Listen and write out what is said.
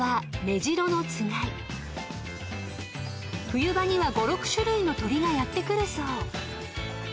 ［冬場には５６種類の鳥がやって来るそう］